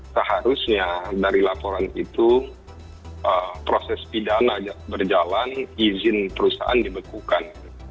seharusnya dari laporan itu proses pidana berjalan izin perusahaan dibekukan